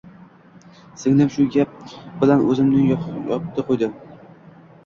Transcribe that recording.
Singlim shu gap bilan og`zimni yopdi-qo`ydi